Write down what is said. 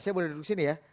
saya boleh duduk sini ya